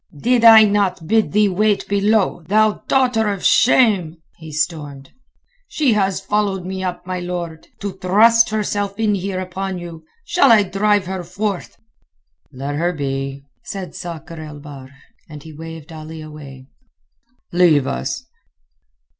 "Did I not bid thee wait below, thou daughter of shame?" he stormed. "She has followed me up, my lord, to thrust herself in here upon you. Shall I drive her forth?" "Let her be," said Sakr el Bahr. And he waved Ali away. "Leave us!"